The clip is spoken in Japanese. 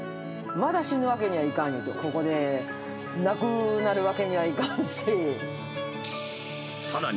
まだ死ぬわけにはいかんいうて、ここでなくなるわけにはいかんし。